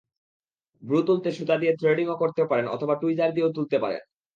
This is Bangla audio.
ভ্রু তুলতে সুতা দিয়ে থ্রেডিংও করতে পারেন অথবা টুইজার দিয়েও তুলতে পারেন।